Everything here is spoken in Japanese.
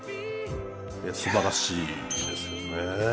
素晴らしいですよね。